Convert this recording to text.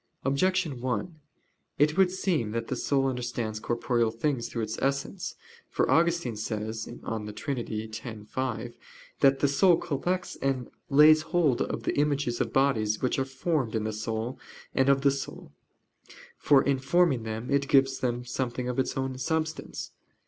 Objection 1: It would seem that the soul understands corporeal things through its essence. For Augustine says (De Trin. x, 5) that the soul "collects and lays hold of the images of bodies which are formed in the soul and of the soul: for in forming them it gives them something of its own substance."